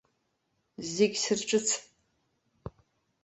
Зегь сырҿыцп.